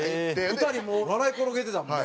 ２人もう笑い転げてたもんね。